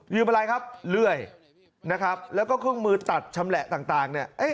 อะไรครับเลื่อยนะครับแล้วก็เครื่องมือตัดชำแหละต่างเนี่ย